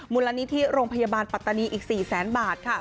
มูลนานิทธิโรงพยาบาลปัตตานีอีก๔๐๐๐๐๐บาทค่ะ